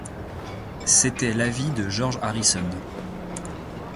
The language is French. C'était l'avis de George Harrison.